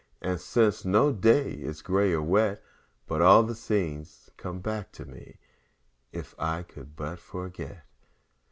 And since, no day is gray or wet But all the scene comes back to me, If I could but forget.